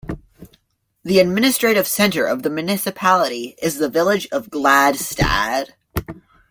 The administrative centre of the municipality is the village of Gladstad.